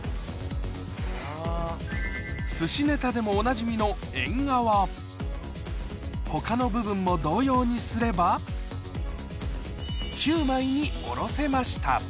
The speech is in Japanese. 寿司ネタでもおなじみの他の部分も同様にすれば９枚におろせました